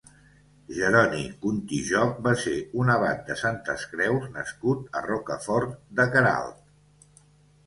Jeroni Contijoc va ser un abat de Santes Creus nascut a Rocafort de Queralt.